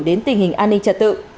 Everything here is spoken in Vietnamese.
đến tình hình an ninh trật tự